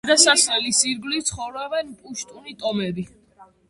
გადასასვლელის ირგვლივ ცხოვრობენ პუშტუნი ტომები.